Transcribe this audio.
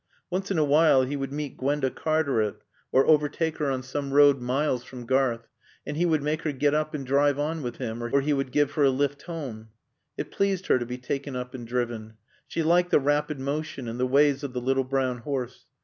Once in a while he would meet Gwenda Cartaret or overtake her on some road miles from Garth, and he would make her get up and drive on with him, or he would give her a lift home. It pleased her to be taken up and driven. She liked the rapid motion and the ways of the little brown horse.